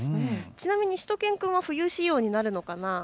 ちなみにしゅと犬くんは冬仕様になるのかな。